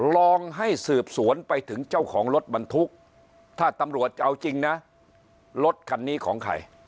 ลองให้สืบสวนไปถึงเจ้าของรถบรรทุกถ้าตำรวจจะเอาจริงนะรถคันนี้ของใคร